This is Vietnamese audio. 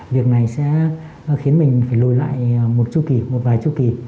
việc này sẽ khiến mình phải lùi lại một chư kỳ một vài chư kỳ